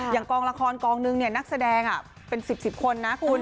อย่างกองละครกองนึงนักแสดงเป็น๑๐๑๐คนนะคุณ